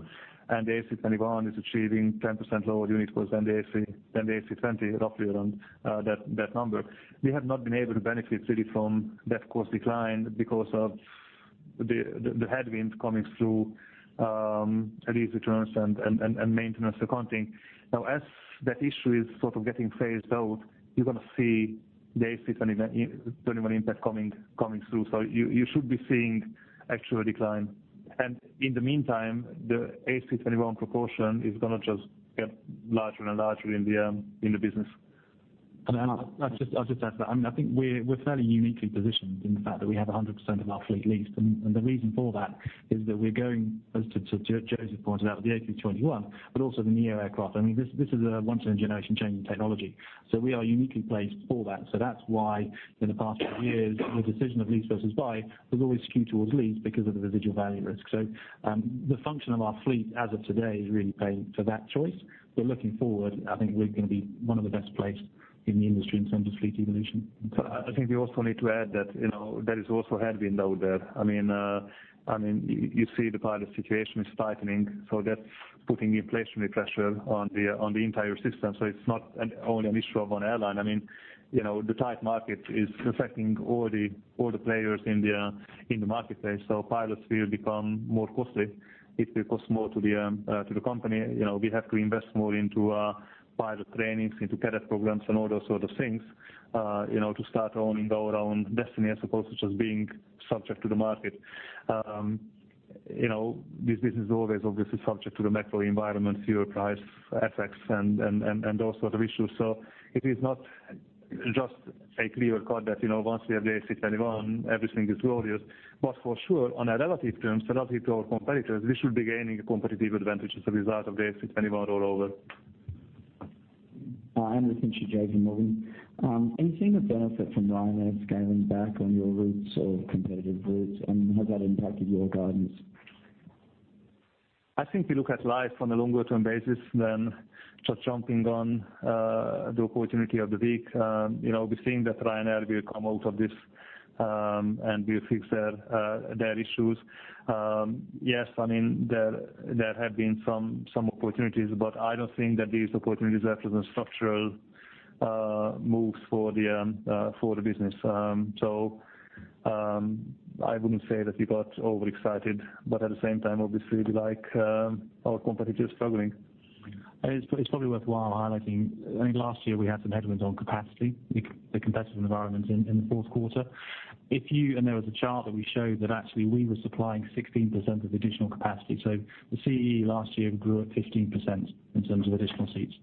The A321 is achieving 10% lower unit cost than the A320, roughly around that number. We have not been able to benefit really from that cost decline because of the headwinds coming through lease returns and maintenance accounting. As that issue is sort of getting phased out, you're going to see the A321 impact coming through. You should be seeing actual decline. In the meantime, the A321 proportion is going to just get larger and larger in the business. I'll just add to that. We're fairly uniquely positioned in the fact that we have 100% of our fleet leased. The reason for that is that we're going, as József pointed out, the A321, but also the NEO aircraft. This is a once in a generation change in technology. We are uniquely placed for that. That's why in the past few years, the decision of lease versus buy has always skewed towards lease because of the residual value risk. The function of our fleet as of today is really paying for that choice. Looking forward, we're going to be one of the best placed in the industry in terms of fleet evolution. I think we also need to add that there is also headwind out there. You see the pilot situation is tightening, that's putting inflationary pressure on the entire system. It's not only an issue of an airline. The tight market is affecting all the players in the marketplace. Pilots will become more costly, it will cost more to the company. We have to invest more into pilot trainings, into cadet programs, and all those sort of things to start owning our own destiny, I suppose, which is being subject to the market. This business is always obviously subject to the macro environment, fuel price effects, and those sort of issues. It is not just a clear cut that once we have the A321, everything is glorious. For sure, on a relative terms, relative to our competitors, we should be gaining a competitive advantage as a result of the A321 rollover. Andrew Light, JPMorgan. Are you seeing a benefit from Ryanair scaling back on your routes or competitive routes, and has that impacted your guidance? I think we look at life on a longer term basis than just jumping on the opportunity of the week. We're seeing that Ryanair will come out of this, and will fix their issues. Yes, there have been some opportunities, but I don't think that these opportunities represent structural moves for the business. I wouldn't say that we got overexcited. At the same time, obviously we like our competitors struggling. It's probably worthwhile highlighting, I think last year we had some headwinds on capacity, the competitive environment in the fourth quarter. There was a chart that we showed that actually we were supplying 16% of additional capacity. The CEE last year grew at 15% in terms of additional seats.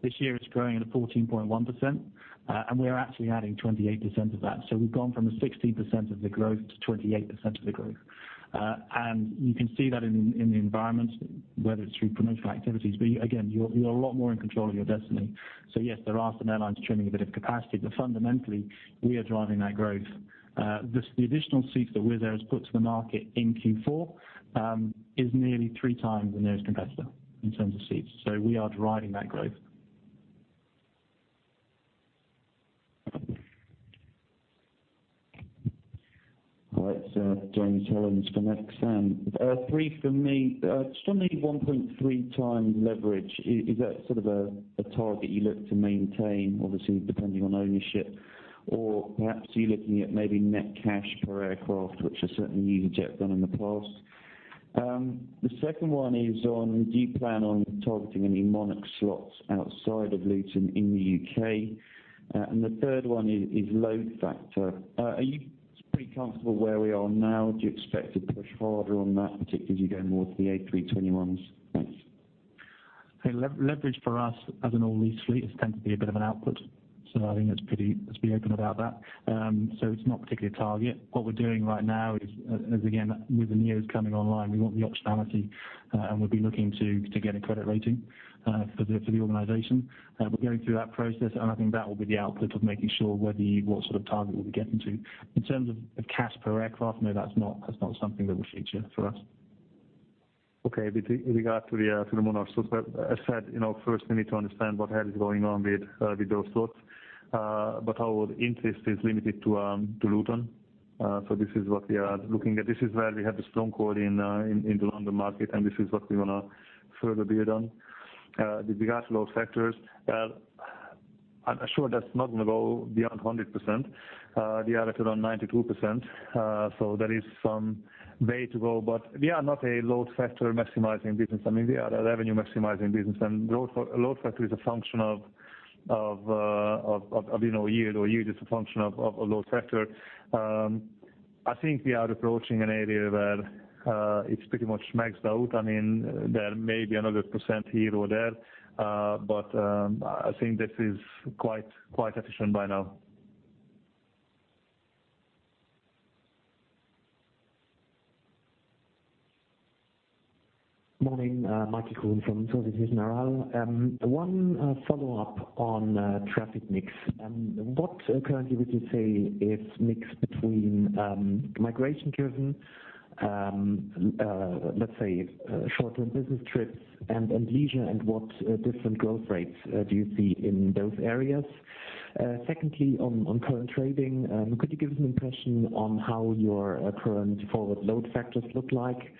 This year it's growing at a 14.1%, we are actually adding 28% of that. We've gone from a 16% of the growth to 28% of the growth. You can see that in the environment, whether it's through promotional activities. Again, you are a lot more in control of your destiny. Yes, there are some airlines trimming a bit of capacity, but fundamentally we are driving that growth. The additional seats that Wizz Air has put to the market in Q4 is nearly three times the nearest competitor in terms of seats. We are driving that growth. All right. James Hollins from Exane. Three from me. Strong need 1.3 times leverage. Is that sort of a target you look to maintain, obviously depending on ownership? Perhaps are you looking at maybe net cash per aircraft, which I certainly used to have done in the past. The second one is on, do you plan on targeting any Monarch slots outside of Luton in the U.K.? The third one is load factor. Are you pretty comfortable where we are now? Do you expect to push harder on that, particularly as you go more to the A321s? Thanks. Leverage for us as an all-lease fleet tends to be a bit of an output. I think let's be open about that. It's not particularly a target. What we're doing right now is, as again, with the NEOs coming online, we want the optionality, we'll be looking to get a credit rating for the organization. We're going through that process I think that will be the output of making sure what sort of target we'll be getting to. In terms of cash per aircraft, no, that's not something that we feature for us. Okay. With regard to the Monarch slots, as said, first we need to understand what the hell is going on with those slots. Our interest is limited to Luton. This is what we are looking at. This is where we have the strong core in the London market, and this is what we want to further build on. With regard to load factors, I'm sure that's not going to go beyond 100%. We are at around 92%, so there is some way to go. We are not a load factor maximizing business. We are a revenue maximizing business, and load factor is a function of yield, or yield is a function of load factor. I think we are approaching an area where it's pretty much maxed out. There may be another % here or there. I think this is quite efficient by now. Morning. Michael Kuhn from. One follow-up on traffic mix. What currently would you say is mix between migration driven, let's say short-term business trips and leisure, and what different growth rates do you see in those areas? Secondly, on current trading, could you give us an impression on how your current forward load factors look like?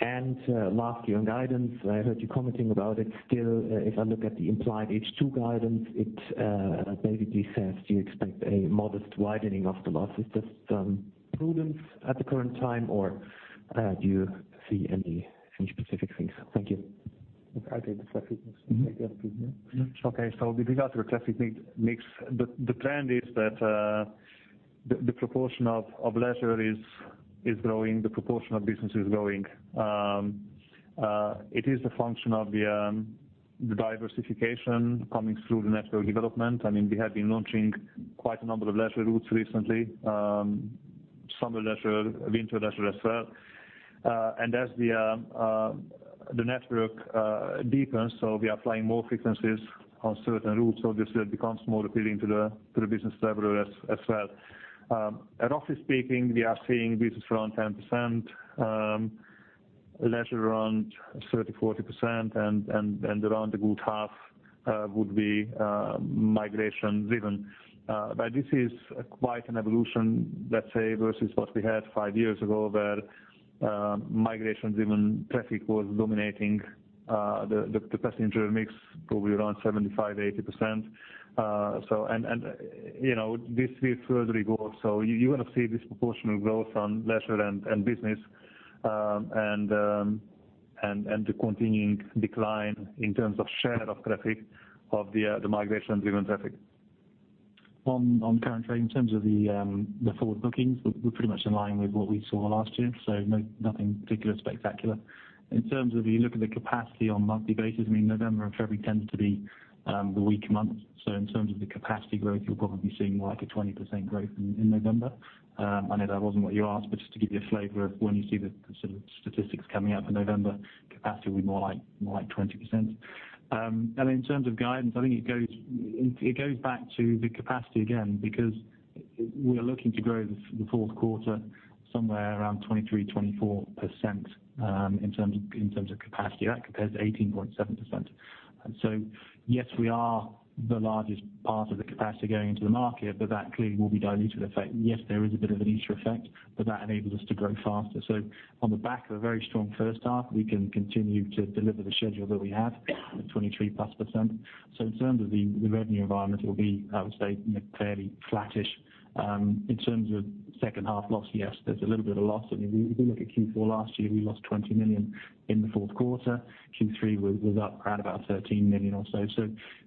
Lastly, on guidance, I heard you commenting about it still, if I look at the implied H2 guidance, it basically says you expect a modest widening of the losses. Is this prudence at the current time, or do you see any specific things? Thank you. I'll take the traffic mix. Okay. With regard to the traffic mix, the plan is that The proportion of leisure is growing, the proportion of business is growing. It is the function of the diversification coming through the network development. We have been launching quite a number of leisure routes recently. Summer leisure, winter leisure as well. As the network deepens, so we are flying more frequencies on certain routes, obviously it becomes more appealing to the business traveler as well. Roughly speaking, we are seeing business around 10%, leisure around 30%, 40%, and around a good half would be migration-driven. This is quite an evolution, let's say, versus what we had five years ago, where migration-driven traffic was dominating the passenger mix, probably around 75%-80%. This will further evolve. You're going to see this proportional growth on leisure and business, and the continuing decline in terms of share of traffic, of the migration-driven traffic. On current trade, in terms of the forward bookings, we're pretty much in line with what we saw last year. Nothing particularly spectacular. In terms of you look at the capacity on a monthly basis, November and February tends to be the weak months. In terms of the capacity growth, you're probably seeing more like a 20% growth in November. I know that wasn't what you asked, but just to give you a flavor of when you see the sort of statistics coming out for November, capacity will be more like 20%. In terms of guidance, I think it goes back to the capacity again, because we are looking to grow the fourth quarter somewhere around 23%-24% in terms of capacity. That compares to 18.7%. Yes, we are the largest part of the capacity going into the market, but that clearly will be diluted effect. Yes, there is a bit of an Easter effect, but that enables us to grow faster. On the back of a very strong first half, we can continue to deliver the schedule that we have at 23+%. In terms of the revenue environment, it will be, I would say, clearly flattish. In terms of second half loss, yes, there's a little bit of loss. If you look at Q4 last year, we lost 20 million in the fourth quarter. Q3 was up around about 13 million or so.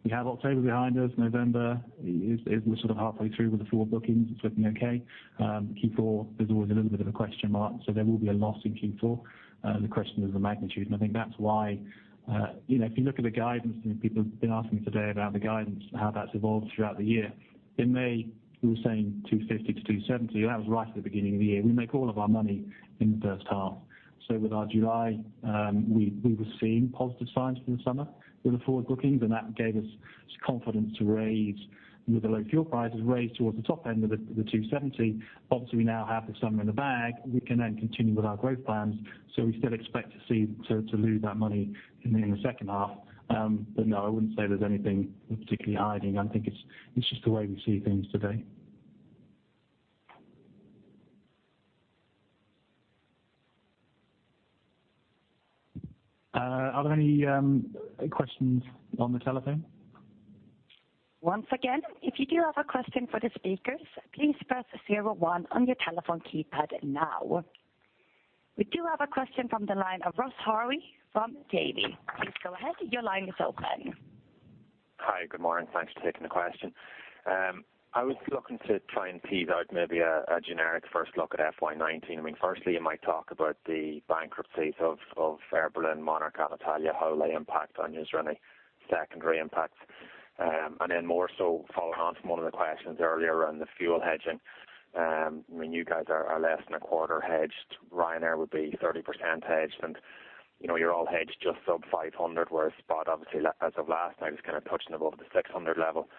We have October behind us. November, we're sort of halfway through with the forward bookings. It's looking okay. Q4, there's always a little bit of a question mark. There will be a loss in Q4. The question is the magnitude, I think that's why, if you look at the guidance, people have been asking me today about the guidance and how that's evolved throughout the year. In May, we were saying 250 million to 270 million, that was right at the beginning of the year. We make all of our money in the first half. With our July, we were seeing positive signs for the summer with the forward bookings, that gave us confidence, with the low fuel prices, to raise towards the top end of the 270 million. Obviously, we now have the summer in the bag. We can then continue with our growth plans. We still expect to lose that money in the second half. No, I wouldn't say there's anything we're particularly hiding. I think it's just the way we see things today. Are there any questions on the telephone? Once again, if you do have a question for the speakers, please press 01 on your telephone keypad now. We do have a question from the line of Ross Harvey from Davy. Please go ahead. Your line is open. Hi. Good morning. Thanks for taking the question. I was looking to try and tease out maybe a generic first look at FY 2019. Firstly, you might talk about the bankruptcies of Air Berlin, Monarch, and Alitalia, how they impact on you. Is there any secondary impacts? Then more so following on from one of the questions earlier around the fuel hedging. You guys are less than a quarter hedged. Ryanair would be 30% hedged, and you're all hedged just sub 500, whereas spot obviously as of last night was kind of touching above the 600 level.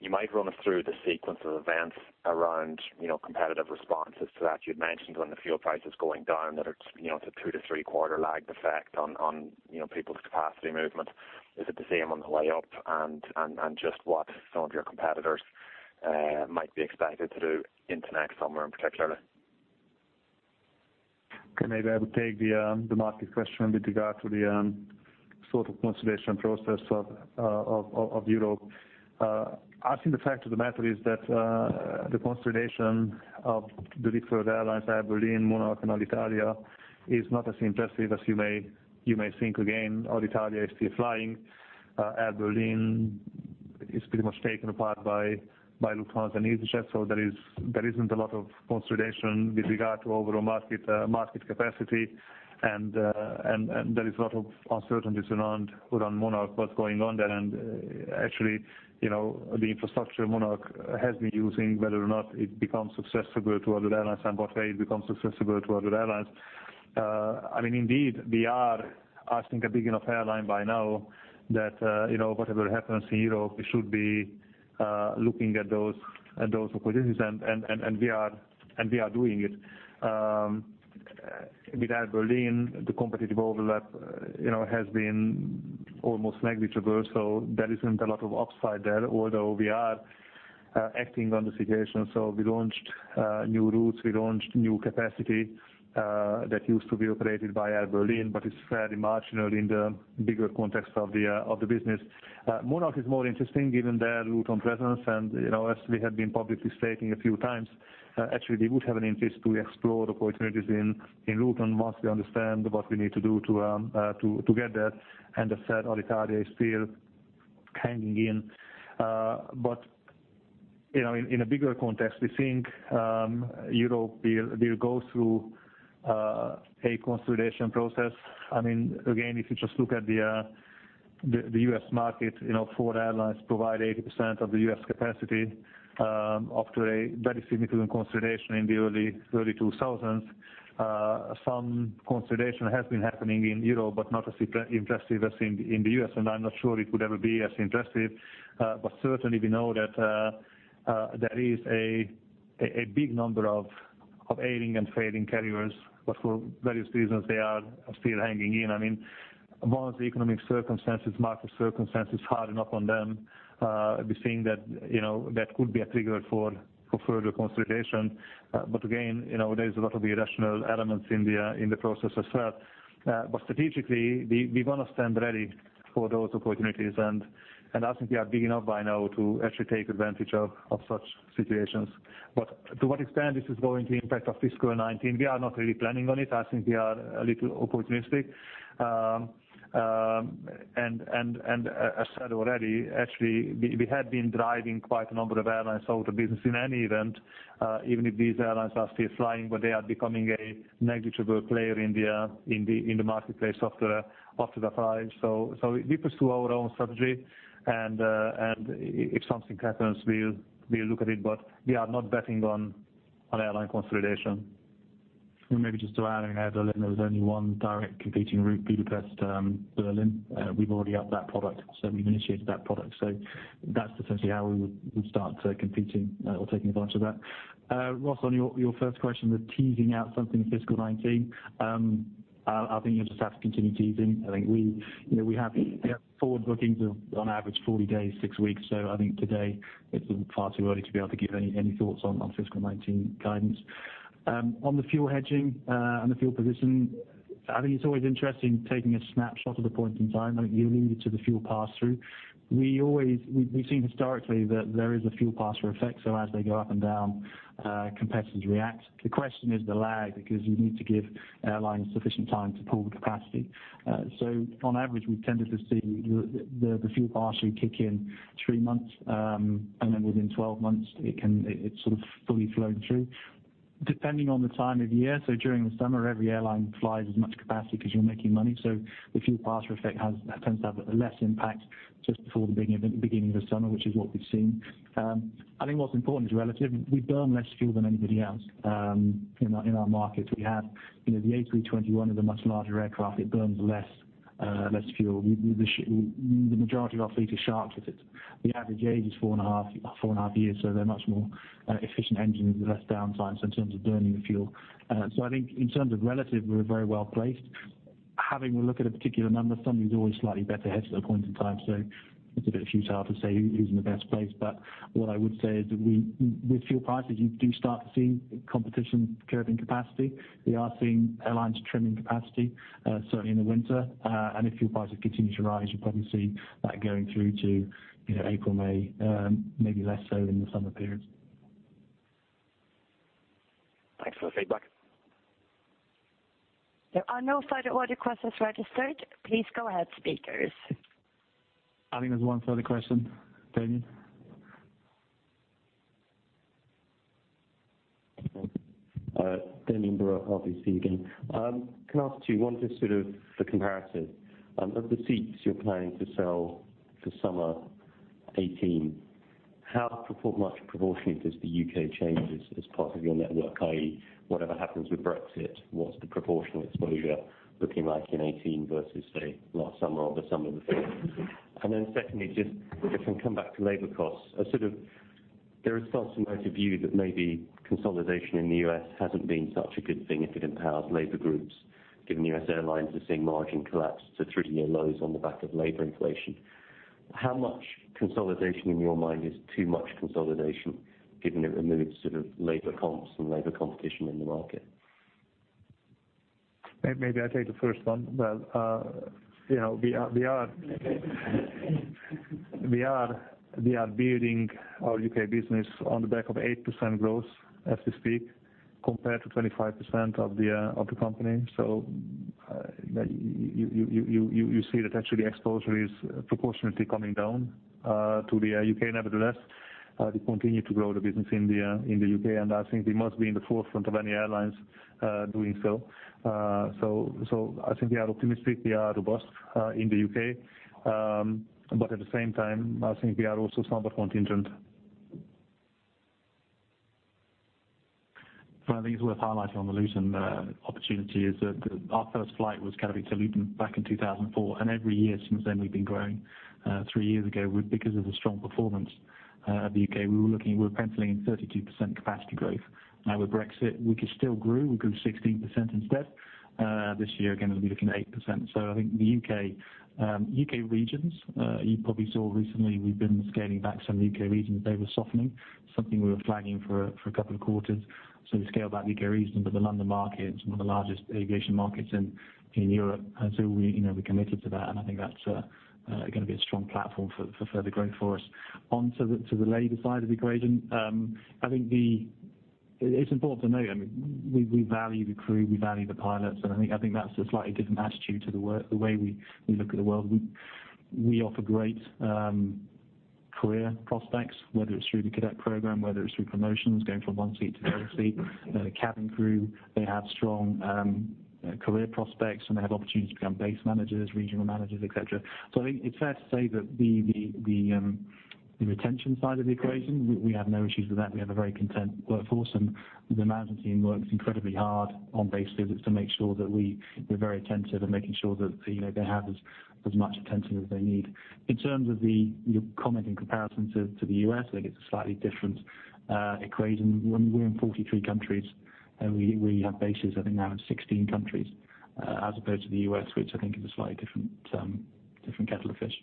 You might run us through the sequence of events around competitive responses to that. You'd mentioned on the fuel prices going down that it's a two- to three-quarter lag effect on people's capacity movement. Is it the same on the way up? Just what some of your competitors might be expected to do into next summer, in particular. Okay, maybe I would take the market question with regard to the sort of consolidation process of Europe. I think the fact of the matter is that the consolidation of the big four airlines, Air Berlin, Monarch, and Alitalia, is not as impressive as you may think. Again, Alitalia is still flying. Air Berlin is pretty much taken apart by Lufthansa and EasyJet. There isn't a lot of consolidation with regard to overall market capacity, there is a lot of uncertainties around Monarch, what's going on there. Actually, the infrastructure Monarch has been using, whether or not it becomes accessible to other airlines and what way it becomes accessible to other airlines. Indeed, we are, I think, a big enough airline by now that whatever happens in Europe, we should be looking at those opportunities, and we are doing it. With Air Berlin, the competitive overlap has been almost negligible, although we are acting on the situation. We launched new routes, we launched new capacity that used to be operated by Air Berlin, but it's fairly marginal in the bigger context of the business. Monarch is more interesting given their Luton presence, as we have been publicly stating a few times, actually we would have an interest to explore the opportunities in Luton once we understand what we need to do to get there. As said, Alitalia is still hanging in. In a bigger context, we think Europe will go through a consolidation process. Again, if you just look at the U.S. market, four airlines provide 80% of the U.S. capacity after a very significant consolidation in the early 2000s. Some consolidation has been happening in Europe, not as impressive as in the U.S., I'm not sure it would ever be as impressive. Certainly, we know that there is a big number of ailing and failing carriers. For various reasons, they are still hanging in. Once the economic circumstances, market circumstances, harden up on them, we're seeing that could be a trigger for further consolidation. Again, there's a lot of irrational elements in the process as well. Strategically, we want to stand ready for those opportunities, I think we are big enough by now to actually take advantage of such situations. To what extent this is going to impact our fiscal 2019, we are not really planning on it. I think we are a little opportunistic. As I said already, actually, we had been driving quite a number of airlines out of business in any event. Even if these airlines are still flying, but they are becoming a negligible player in the marketplace after that time. We pursue our own strategy, if something happens, we'll look at it, we are not betting on airline consolidation. Maybe just to add in, there was only one direct competing route, Budapest-Berlin. We've already upped that product. We've initiated that product. That's essentially how we would start competing or taking advantage of that. Ross, on your first question with teasing out something in fiscal 2019. I think you'll just have to continue teasing. I think we have forward bookings of on average 40 days, six weeks. I think today it's far too early to be able to give any thoughts on our fiscal 2019 guidance. On the fuel hedging and the fuel position, I think it's always interesting taking a snapshot of the point in time. I think you alluded to the fuel pass-through. We've seen historically that there is a fuel pass-through effect, as they go up and down, competitors react. The question is the lag, because you need to give airlines sufficient time to pull the capacity. On average, we tended to see the fuel pass-through kick in three months, and then within 12 months, it's sort of fully flown through, depending on the time of year. During the summer, every airline flies as much capacity because you're making money. The fuel pass-through effect tends to have less impact just before the beginning of the summer, which is what we've seen. I think what's important is relative. We burn less fuel than anybody else in our markets. We have the A321 is a much larger aircraft. It burns less fuel. The majority of our fleet is sharklet. The average age is four and a half years, they're much more efficient engines with less downtime, in terms of burning the fuel. I think in terms of relative, we're very well-placed. Having a look at a particular number, somebody's always slightly better hedged at a point in time. It's a bit futile to say who's in the best place. What I would say is that with fuel prices, you do start to see competition curbing capacity. We are seeing airlines trimming capacity, certainly in the winter. If fuel prices continue to rise, you'll probably see that going through to April, May, maybe less so in the summer period. Thanks for the feedback. There are no further audio questions registered. Please go ahead, speakers. I think there's one further question. Damian? Damian Brewer, RBC again. Can I ask you one, just sort of for comparative. Of the seats you're planning to sell for summer 2018, how much proportion of this is the U.K. changes as part of your network, i.e., whatever happens with Brexit, what's the proportional exposure looking like in 2018 versus, say, last summer or the summer before? Secondly, just if I can come back to labor costs. There is thoughts in mind to view that maybe consolidation in the U.S. hasn't been such a good thing if it empowers labor groups, given U.S. airlines are seeing margin collapse to three-year lows on the back of labor inflation. How much consolidation in your mind is too much consolidation, given it removes sort of labor comps and labor competition in the market? Maybe I take the first one. Well, we are building our U.K. business on the back of 8% growth as we speak, compared to 25% of the company. You see that actually exposure is proportionately coming down to the U.K. Nevertheless, we continue to grow the business in the U.K., I think we must be in the forefront of any airlines doing so. I think we are optimistic. We are robust in the U.K. At the same time, I think we are also somewhat contingent. One of the things worth highlighting on the Luton opportunity is that our first flight was Katowice to Luton back in 2004, and every year since then, we've been growing. Three years ago, because of the strong performance of the U.K., we were penciling in 32% capacity growth. With Brexit, we could still grow. We grew 16% instead. This year, again, we'll be looking at 8%. I think the U.K. regions, you probably saw recently, we've been scaling back some of the U.K. regions. They were softening. Something we were flagging for a couple of quarters. We scaled back the U.K. regions, but the London market is one of the largest aviation markets in Europe. We committed to that, and I think that's going to be a strong platform for further growth for us. Onto the labor side of the equation. I think it's important to note, we value the crew, we value the pilots, and I think that's a slightly different attitude to the way we look at the world. We offer great career prospects, whether it's through the cadet program, whether it's through promotions, going from one seat to the other seat. Cabin crew, they have strong career prospects, and they have opportunities to become base managers, regional managers, et cetera. I think it's fair to say that the retention side of the equation, we have no issues with that. We have a very content workforce, and the management team works incredibly hard on base visits to make sure that we're very attentive and making sure that they have as much attention as they need. In terms of your comment in comparison to the U.S., I think it's a slightly different equation. We're in 43 countries. We have bases, I think now in 16 countries, as opposed to the U.S., which I think is a slightly different kettle of fish.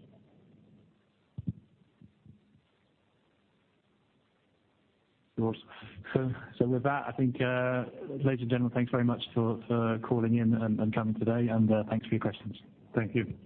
Of course. With that, I think, ladies and gentlemen, thanks very much for calling in and coming today, and thanks for your questions. Thank you.